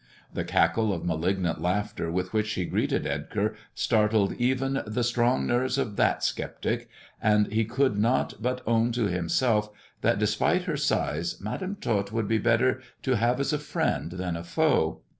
The cackle of malignant laughter with which she greeted Edgar, startled even the strong nerves of that sceptic, and he could not but own to himself that, despite her size. Madam Tot would be better to have as a friend than a foe.